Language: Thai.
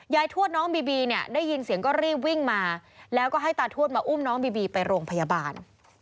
ทวดน้องบีบีเนี่ยได้ยินเสียงก็รีบวิ่งมาแล้วก็ให้ตาทวดมาอุ้มน้องบีบีไปโรงพยาบาล